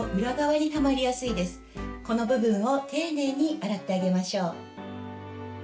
この部分を丁寧に洗ってあげましょう。